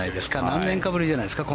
何年かぶりじゃないですか。